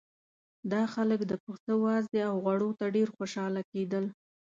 دا خلک د پسه وازدې او غوړو ته ډېر خوشاله کېدل.